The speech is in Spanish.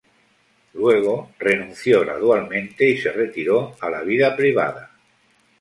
Luego renunció gradualmente y se retiró a la vida privada.